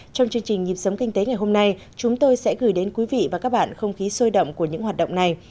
trong chương trình nhịp sống kinh tế ngày hôm nay chúng tôi sẽ gửi đến quý vị và các bạn không khí sôi động của những hoạt động này